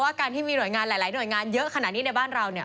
ว่าการที่มีหลายหน่วยงานเยอะขนาดนี้ในบ้านเรา